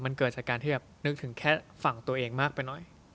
มันเกิดจากการที่แบบนึกถึงแค่ฝั่งตัวเองมากไปหน่อย